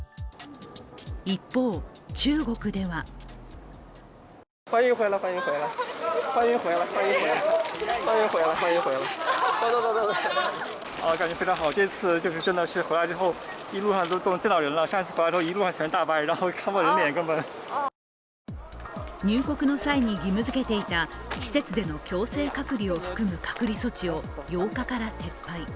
一方、中国では入国の際に義務づけていた施設での強制隔離を含む隔離措置を８日から撤廃。